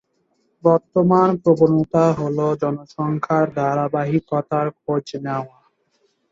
বর্তমান প্রবণতা হল জনসংখ্যার ধারাবাহিকতার খোঁজ নেওয়া।